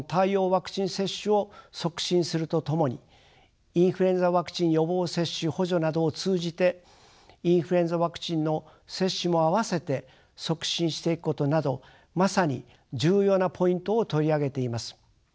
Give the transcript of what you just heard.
ワクチン接種を促進するとともにインフルエンザワクチン予防接種補助などを通じてインフルエンザワクチンの接種も併せて促進していくことなどまさに重要なポイントを取り上げています。